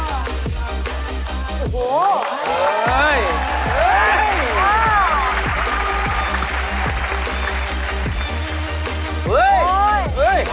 โอ้โฮโอ้โฮโอ้โฮโอ้โฮ